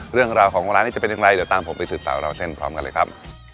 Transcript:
เรื่องราวของร้านนี้จะเป็นอย่างไรเดี๋ยวตามผมไปสืบสาวราวเส้นพร้อมกันเลยครับ